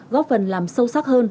góp phần làm sâu sắc hơn